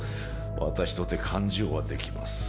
私とて勘定はできます。